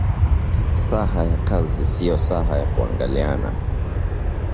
Saha ya kazi sio saha ya kuangaliana